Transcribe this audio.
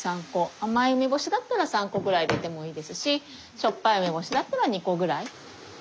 甘い梅干しだったら３個ぐらい入れてもいいですししょっぱい梅干しだったら２個ぐらい。